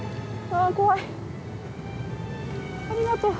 ありがとう。